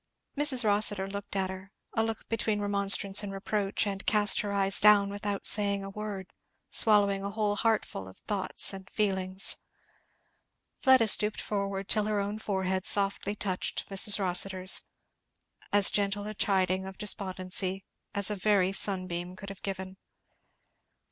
Mrs. Rossitur looked at her, a look between remonstrance and reproach, and cast her eyes down without saying a word, swallowing a whole heartful of thoughts and feelings. Fleda stooped forward till her own forehead softly touched Mrs. Rossitur's, as gentle a chiding of despondency as a very sunbeam could have given.